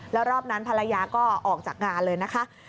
แล้วรอบนั้นภรรยาก็ออกจากงานเลยนะคะ